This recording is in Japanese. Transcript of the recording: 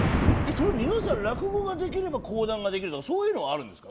それ皆さん落語ができれば講談ができるとかそういうのはあるんですか？